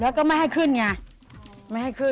แล้วก็ไม่ให้ขึ้นไง